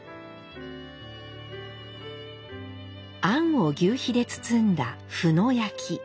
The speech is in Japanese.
餡を求肥で包んだ「ふのやき」。